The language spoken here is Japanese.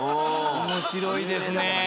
面白いですね。